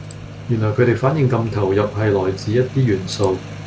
原來佢地反應咁投入係來自一啲元素